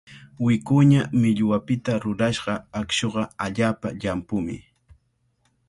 Wikuña millwapita rurashqa aqshuqa allaapa llampumi.